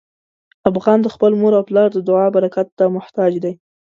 افغان د خپل مور او پلار د دعا برکت ته محتاج دی.